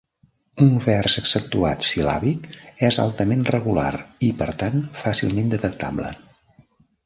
El vers accentuat sil·làbic és altament regular i per tant fàcilment detectable.